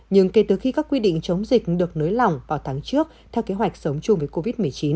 nhưng kể từ khi các quy định chống dịch được nới lỏng vào tháng trước theo kế hoạch sống chung với covid một mươi chín